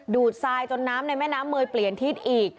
ดทรายจนน้ำในแม่น้ำเมย์เปลี่ยนทิศอีก